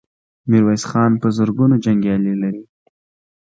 ميرويس خان په زرګونو جنګيالي لري.